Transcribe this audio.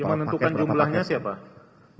menentukan jumlahnya siapa